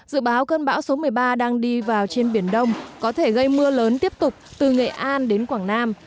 dự báo cơn bão số một mươi ba đang đi vào trên biển đông có thể gây mưa lớn tiếp tục từ nghệ an đến quảng nam